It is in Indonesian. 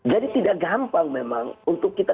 jadi tidak gampang memang untuk kita